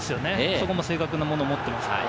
そこも正確なものを持っています。